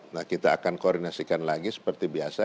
nah kita akan koordinasikan lagi seperti biasa